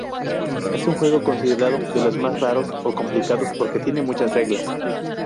Es un juego considerado de los más raros o complicados porque tiene muchas reglas.